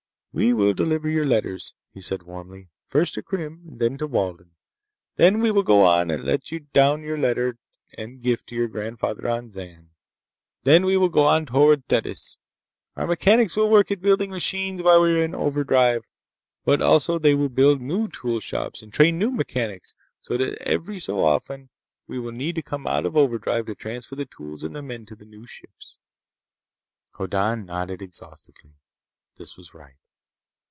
"We will deliver your letters," he said warmly. "First to Krim, and then to Walden. Then we will go on and let down your letter and gift to your grandfather on Zan. Then we will go on toward Thetis. Our mechanics will work at building machines while we are in overdrive. But also they will build new tool shops and train new mechanics, so that every so often we will need to come out of overdrive to transfer the tools and the men to new ships." Hoddan nodded exhaustedly. This was right.